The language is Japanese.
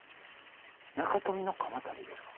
中臣鎌足ですか？